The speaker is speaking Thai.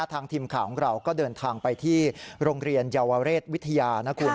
ทางทีมข่าวของเราก็เดินทางไปที่โรงเรียนเยาวเรศวิทยานะคุณ